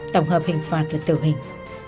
tổng hợp hình phạt là tử hình